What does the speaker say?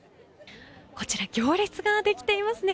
こちら、行列ができていますね。